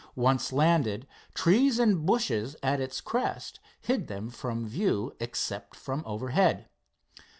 Once landed, trees and bushes at its crest hid them from view except from overhead.